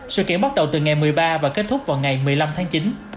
sự kiện bắt đầu từ ngày một mươi ba và kết thúc vào ngày một mươi năm tháng chín